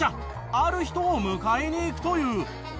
ある人を迎えに行くという。